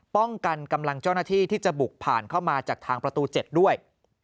กำลังเจ้าหน้าที่ที่จะบุกผ่านเข้ามาจากทางประตู๗ด้วย